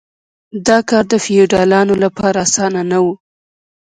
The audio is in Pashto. دا کار د فیوډالانو لپاره اسانه نه و.